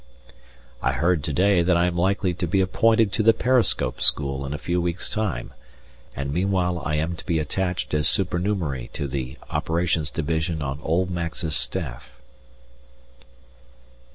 I heard to day that I am likely to be appointed to the periscope school in a few weeks' time, and meanwhile I am to be attached as supernumerary to the operations division on old Max's staff.